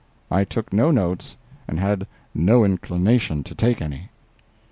I took no notes, and had no inclination to take any.